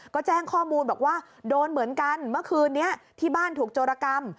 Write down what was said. ก็แจ้งข้อมูลบอกว่าโดนเหมือนกันเมื่อคืนนี้ที่บ้านถูกโจรกรรม